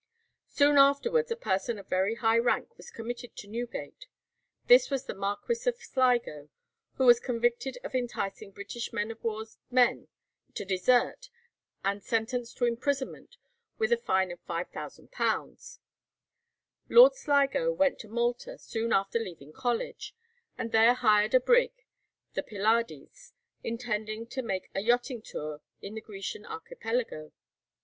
Soon afterwards a person of very high rank was committed to Newgate. This was the Marquis of Sligo, who was convicted of enticing British men of war's men to desert, and sentenced to imprisonment, with a fine of £5000. Lord Sligo went to Malta soon after leaving College, and there hired a brig, the 'Pylades,' intending to make a yachting tour in the Grecian Archipelago.